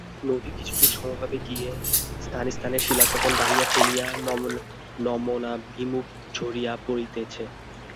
নদী কিছুদূর সমভাবে গিয়া স্থানে স্থানে শিলাসোপান বাহিয়া ফেনাইয়া নিমনাভিমুখে ঝরিয়া পড়িতেছে।